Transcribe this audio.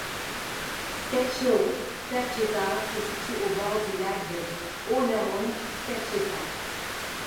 Stechow-Ferchesar se situe au bord du lac de Hohennauen-Ferchesar.